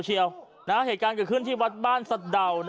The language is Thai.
เหตุการณ์เกิดขึ้นที่วัดบ้านสะดาว